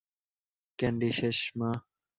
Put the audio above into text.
Candy শেষ, মা।